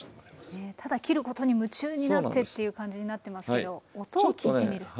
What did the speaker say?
ただ切ることに夢中になってっていう感じになってますけど音を聞いてみる。